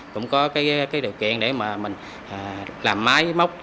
cũng có cái điều kiện để mà mình làm máy móc